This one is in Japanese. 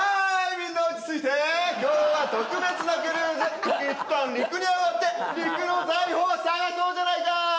みんな落ち着いて今日は特別なクルーズいったん陸にあがって陸の財宝を探そうじゃないか！